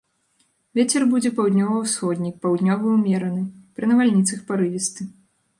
Вецер будзе паўднёва-ўсходні, паўднёвы ўмераны, пры навальніцах парывісты.